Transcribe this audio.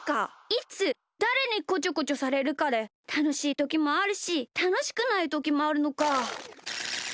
いつだれにこちょこちょされるかでたのしいときもあるしたのしくないときもあるのか。